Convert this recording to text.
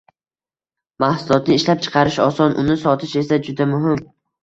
Mahsulotni ishlab chiqarish oson, uni sotish esa juda muhim